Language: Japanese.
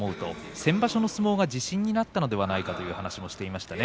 先場所の相撲が自信になったのではないかという話もしていましたね。